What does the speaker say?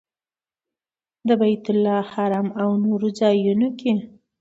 د بیت الله حرم او نورو ځایونو کې.